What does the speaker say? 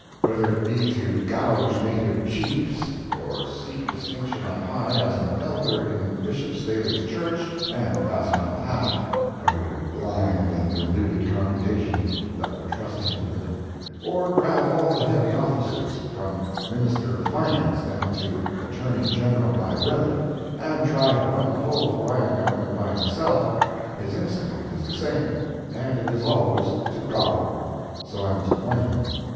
Whether it be to gouge native chiefs, or seek distinction on high as an Elder in Bishop Staley's Church and pass around the hat, (oh, blind and deluded congregation that would trust him with it) or grab all the heavy offices, from Minister of Finance down to Attorney General by brevet, and try to run the whole Hawaiian Government by himself, his instinct is the same, and it is always to gobble. So I must warn him.